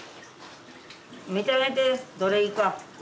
見てあげてどれいいか？